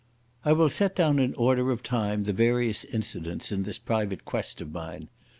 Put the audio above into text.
I will set down in order of time the various incidents in this private quest of mine.